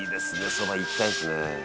そばいきたいですね」